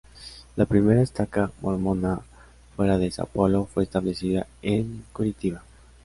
La primera "estaca" mormona fuera de Sao Paulo fue establecida en Curitiba.